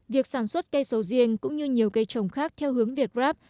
việc sản xuất cây sầu riêng cũng như nhiều cây trồng khác theo hướng việt grab